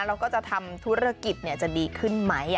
แล้วก็จะทำธุรกิจจะดีขึ้นไหม